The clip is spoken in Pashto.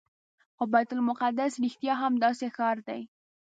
خو بیت المقدس رښتیا هم داسې ښار دی.